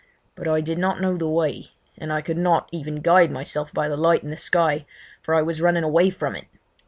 But I did not know the way, and I could not even guide myself by the light in the sky, for I was running away from it.